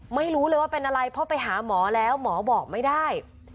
ไม่รู้เลยว่าเป็นอะไรเพราะไปหาหมอแล้วหมอบอกไม่ได้